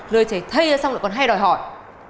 lời chảy thây ra xong lại còn hay đòi hỏi